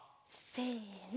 せの。